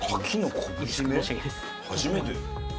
初めて。